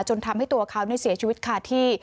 จนทำให้ตัวเขาเสียชีวิตขาดที่